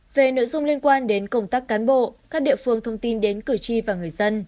về nội dung liên quan đến công tác cán bộ các địa phương thông tin đến cử tri và người dân